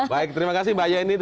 baik terima kasih mbak yeni